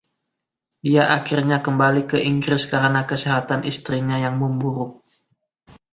Dia akhirnya kembali ke Inggris karena kesehatan istrinya yang memburuk.